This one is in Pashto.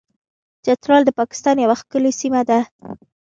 چترال د پاکستان یوه ښکلې سیمه ده.